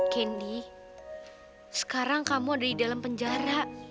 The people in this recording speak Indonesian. kendi sekarang kamu ada di dalam penjara